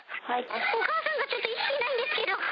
お母さんがちょっと意識ないんですけど。